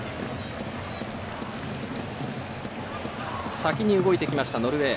先に動いてきました、ノルウェー。